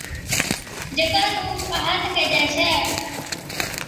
جڪا نُون پَھات ڪيجھي ڇَي